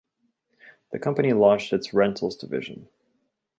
The company launched its rentals division.